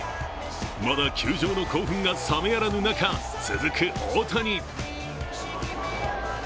まだ球場の興奮が冷めやらぬ中、続く大谷。